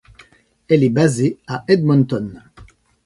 Elle est basée à Edmonton.